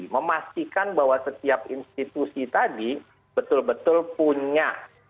memastikan bahwa setiap institusi tadi betul betul punya